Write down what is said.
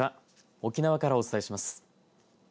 沖縄からお伝えします。